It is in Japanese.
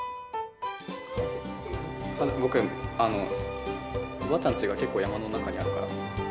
僕おばあちゃんちが結構山の中にあるから。